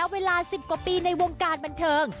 แล้วเวลาสิบกว่าปีในวงการบรรเทิง